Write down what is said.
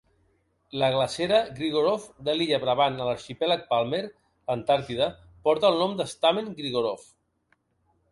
La glacera Grigorov de l'illa Brabant a l'arxipèlag Palmer, l'Antàrtida, porta el nom de Stamen Grigorov.